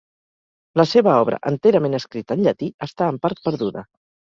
La seva obra, enterament escrita en llatí, està en part perduda.